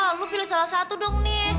lu pilih salah satu dong nis